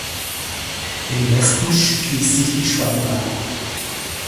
Im Westen schließt sich die Schwalm an.